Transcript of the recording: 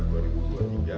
d pembasan pergerakan